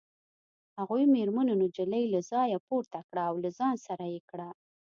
هغو مېرمنو نجلۍ له ځایه پورته کړه او له ځان سره یې کړه